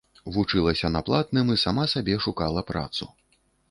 Вучылася на платным і сама сабе шукала працу.